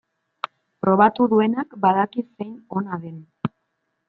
Probatu duenak badaki zein ona den.